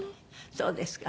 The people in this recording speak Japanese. そうですか。